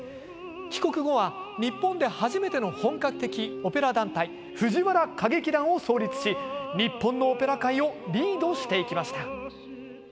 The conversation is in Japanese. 帰国後は日本で初めての本格的オペラ団体藤原歌劇団を創立し日本のオペラ界をリードしていきました。